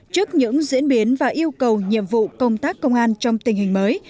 trước những diễn biến và yêu cầu nhiệm vụ công tác công an trong tình hình mới